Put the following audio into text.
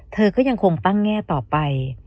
เธอก็ยังคงตั้งแง่ต่อไป